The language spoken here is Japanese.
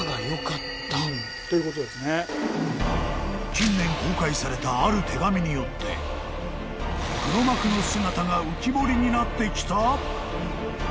［近年公開されたある手紙によって黒幕の姿が浮き彫りになってきた！？］